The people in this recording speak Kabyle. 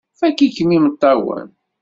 Fakk-ikem imeṭṭawen!